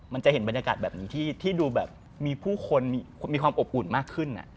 มันจะเห็นบรรยากาศแบบนี้ที่ดูแบบมีผู้คนมีความอบอุ่นมากขึ้น